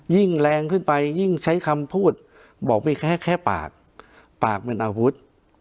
ยิ่งแรงขึ้นไปยิ่งใช้คำพูดบอกมีแค่แค่ปากปากเป็นอาวุธ